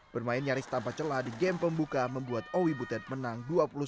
bermain nyaris tanpa celah di game pembuka membuat owi butet menang dua puluh satu sembilan belas